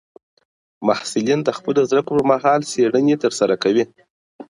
محصلین د خپلو زده کړو پر مهال څېړني ترسره کوي.